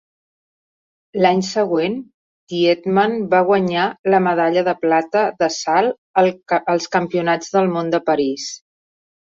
L'any següent Thiedemann va guanyar la medalla de plata de salt als Campionats del Món de París.